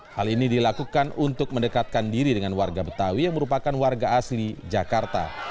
hal ini dilakukan untuk mendekatkan diri dengan warga betawi yang merupakan warga asli jakarta